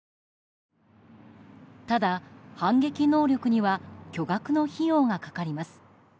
ただ、反撃能力には巨額の費用が掛かります。